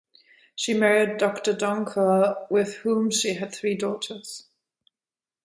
She married Mr Donkor with whom she has three daughters.